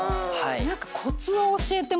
何か。